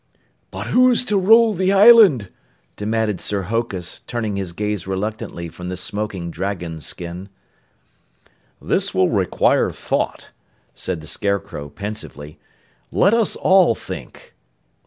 "But who's to rule the island?" demanded Sir Hokus, turning his gaze reluctantly from the smoking dragonskin. "This will require thought," said the Scarecrow pensively. "Let us all think."